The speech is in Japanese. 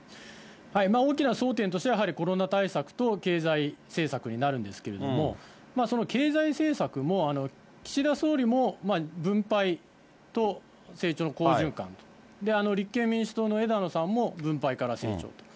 大きな争点としてはやはりコロナ対策と、経済政策になるんですけれども、その経済政策も岸田総理も、分配と成長の好循環、立憲民主党の枝野さんも分配から成長と。